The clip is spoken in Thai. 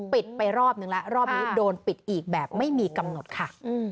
ปิดไปรอบนึงแล้วรอบนี้โดนปิดอีกแบบไม่มีกำหนดค่ะ